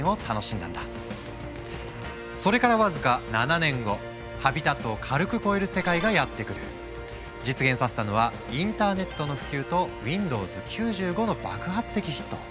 それから僅か７年後実現させたのはインターネットの普及とＷｉｎｄｏｗｓ９５の爆発的ヒット。